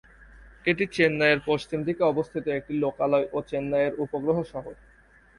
এটি চেন্নাইয়ের পশ্চিম দিকে অবস্থিত একটি লোকালয় ও চেন্নাইয়ের উপগ্রহ শহর।